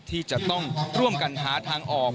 ที่จะต้องร่วมกันหาทางออก